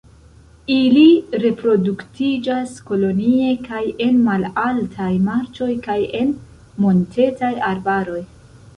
Ili reproduktiĝas kolonie kaj en malaltaj marĉoj kaj en montetaj arbaroj.